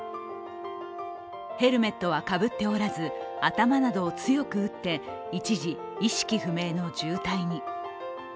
ヘルメットはかぶっておらず頭などを強く打って一時、意識不明の重体に。